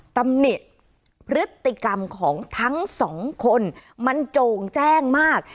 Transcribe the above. ตำหนิพฤติกรรมของทั้งสองคนมันโจ่งแจ้งมาก